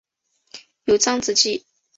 有子张缙。